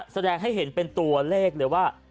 แสดงให้เห็นเป็นตัวเลขเลยว่า